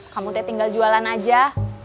kamu tinggal jualan aja